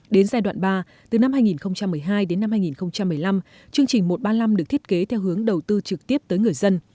đến giai đoạn ba từ năm hai nghìn một mươi hai đến năm hai nghìn một mươi năm chương trình một trăm ba mươi năm được thiết kế theo hướng đầu tư trực tiếp tới người dân